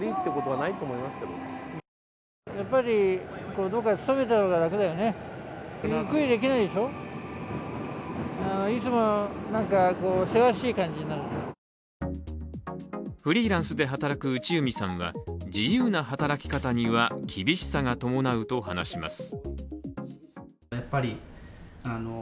こうした働き方の変化に中高年はフリーランスで働く内海さんは自由な働き方には、厳しさが伴うと話します。